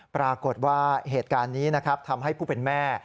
ปรากฏว่าเหตุการณ์นี้นะครับทำให้ผู้เป็นแม่